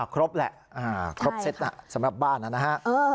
ครบแหละครบเซตสำหรับบ้านนะฮะ